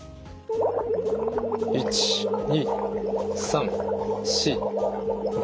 １２３４５。